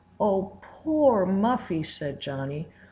"Oh, poor Muffy!" said Johnny.